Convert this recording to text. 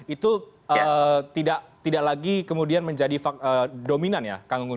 itu tidak lagi kemudian menjadi dominan ya kang gunggun